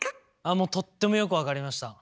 もうとってもよく分かりました。